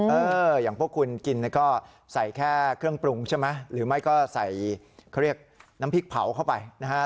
อย่างพวกคุณกินก็ใส่แค่เครื่องปรุงใช่ไหมหรือไม่ก็ใส่เขาเรียกน้ำพริกเผาเข้าไปนะฮะ